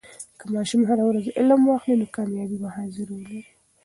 که ماشوم هر ورځ علم واخلي، نو کامیابي به حاضري ولري.